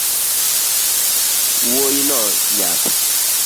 Wuoino nyap